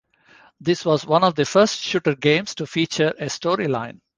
This was one of the first shooter games to feature a storyline.